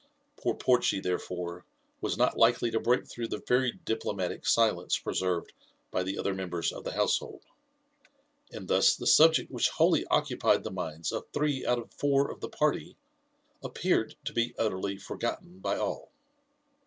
Poor Porchy, therefore, was not likely to break through the very diplomatic silence preserved by the other members of the household ; and thus the subject which wholly occupied the minds of three out of four of the party appeared to be utterly forgotten by all.